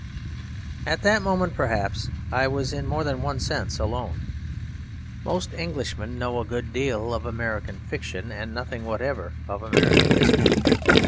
At that moment, perhaps, I was in more than one sense alone. Most Englishmen know a good deal of American fiction, and nothing whatever of American history.